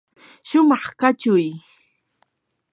shumaq kachuy.